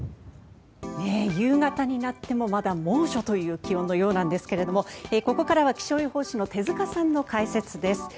夕方になってもまだ猛暑という気温のようなんですがここからは気象予報士の手塚さんの解説です。